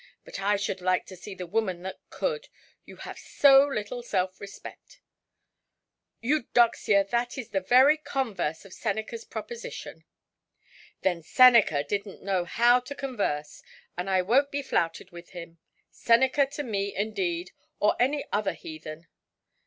But I should like to see the woman that could; you have so little self–respect". "Eudoxia, that is the very converse of Senecaʼs proposition". "Then Seneca didnʼt know how to converse, and I wonʼt be flouted with him. Seneca to me, indeed, or any other heathen!